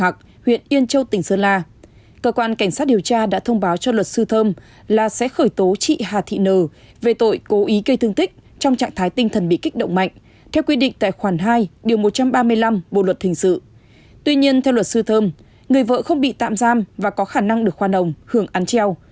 tuy nhiên theo luật sư thơm người vợ không bị tạm giam và có khả năng được khoan hồng hưởng án treo